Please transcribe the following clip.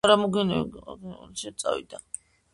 მოგვიანებით იგი ემიგრაციაში, პოლონეთში წავიდა.